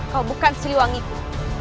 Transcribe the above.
kau bukan siliwangi itu